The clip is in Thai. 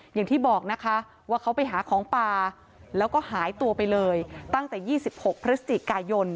อย่างที่บอกนะคะว่าเขาไปหาของป่าแล้วก็หายตัวไปเลยตั้งแต่๒๖พฤศจิกายน